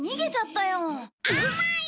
甘い！